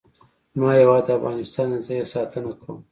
زما هیواد افغانستان دی. زه یې ساتنه کوم.